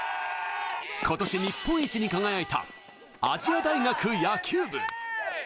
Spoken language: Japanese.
今年、日本一に輝いた亜細亜大学野球部。